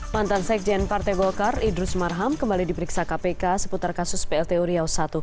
mantan sekjen partai golkar idrus marham kembali diperiksa kpk seputar kasus plt uriau i